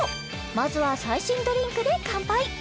まずは最新ドリンクで乾杯